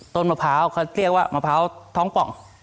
มะพร้าวเขาเรียกว่ามะพร้าวท้องป่อง